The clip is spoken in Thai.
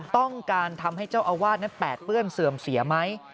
ต้องการทำให้เจ้าอาวาสนั้นแปดเปื้อนเสื่อมเสียไหม